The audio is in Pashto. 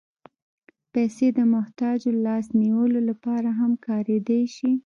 پېسې د محتاجو لاس نیولو لپاره هم کارېدای شي.